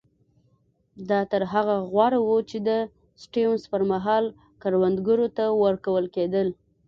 دا تر هغه غوره وو چې د سټیونز پر مهال کروندګرو ته ورکول کېدل.